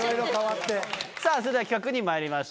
さぁそれでは企画にまいりましょう。